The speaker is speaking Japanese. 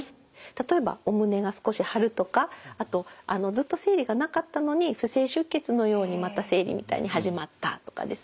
例えばお胸が少し張るとかあとずっと生理がなかったのに不正出血のようにまた生理みたいに始まったとかですね